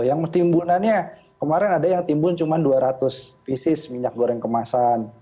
yang timbunannya kemarin ada yang timbul cuma dua ratus pieces minyak goreng kemasan